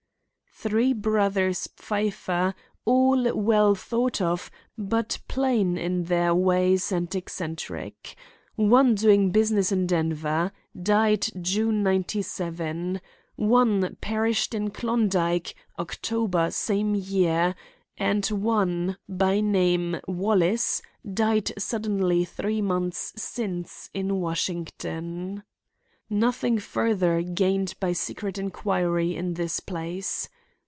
Three brothers Pfeiffer; all well thought of, but plain in their ways and eccentric. One doing business in Denver. Died June, '97. One perished in Klondike, October, same year; and one, by name Wallace, died suddenly three months since in Washington. Nothing further gained by secret inquiry in this place.